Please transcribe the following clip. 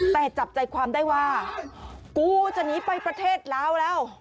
แต่จับใจความได้ว่ากูจะหนีไปประเทศลาวแล้ว